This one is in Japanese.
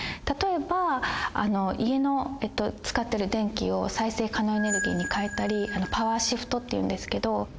例えば家の使ってる電気を再生可能エネルギーに変えたりパワーシフトっていうんですけど。